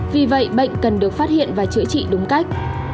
vì vậy bệnh cần được phát hiện và chữa trị đúng cách